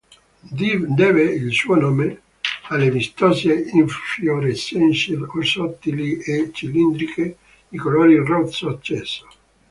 Deve il suo nome alle vistose infiorescenze sottili e cilindriche di colore rosso acceso.